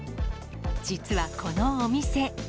実はこのお店。